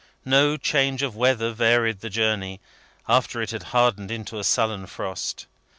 No change of weather varied the journey, after it had hardened into a sullen frost.